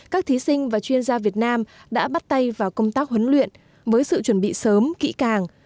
các thí sinh và chuyên gia việt nam đã bắt tay vào công tác huấn luyện với sự chuẩn bị sớm kỹ càng